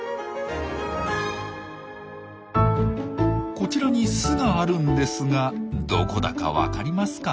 こちらに巣があるんですがどこだか分かりますか？